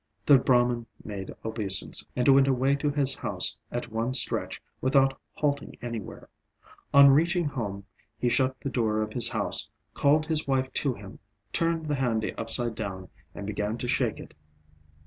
The Brahman made obeisance, and went away to his house at one stretch without halting anywhere. On reaching home he shut the door of his house, called his wife to him, turned the handi upside down, and began to shake it.